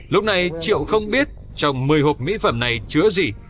lúc này triệu không biết trong một mươi hộp mỹ phẩm này chứa gì